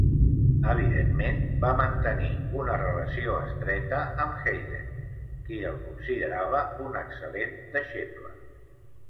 Evidentment va mantenir una relació estreta amb Haydn, qui el considerava un excel·lent deixeble.